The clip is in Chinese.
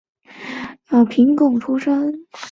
廪贡出身。